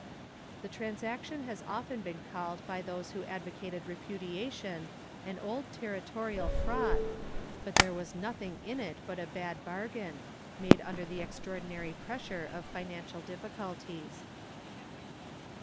The transaction has often been called by those who advocated repudiation, "An old Territorial fraud," but there was nothing in it but a bad bargain, made under the extraordinary pressure of financial difficulties.